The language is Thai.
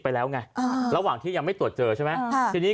ไปแล้วไงระหว่างที่ยังไม่ตรวจเจอใช่ไหมทีนี้